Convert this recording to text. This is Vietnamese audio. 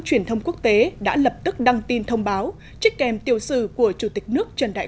truyền thông quốc tế đã lập tức đăng tin thông báo trích kèm tiểu sử của chủ tịch nước trần đại